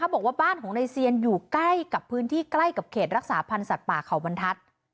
บอกว่าบ้านของนายเซียนอยู่ใกล้กับพื้นที่ใกล้กับเขตรักษาพันธ์สัตว์ป่าเขาบรรทัศน์